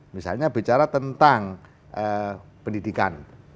misalnya bicara tentang pendidikan